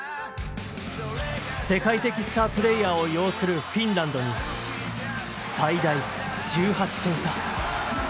世界的スタープレーヤーを擁するフィンランドに最大１８点差。